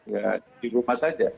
ya di rumah saja